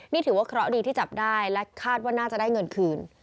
นี่ถือว่าเคราะห์ดีที่จับได้และคาดว่าน่าจะได้เงินคืน